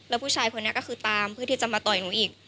แล้วผู้ชายคนนี้ก็คือตามเพื่อที่จะมาต่อยหนูอีก